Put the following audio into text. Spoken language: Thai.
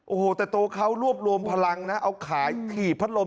โอ้โหแต่ตัวเขารวบรวมพลังนะเอาขายถีบพัดลม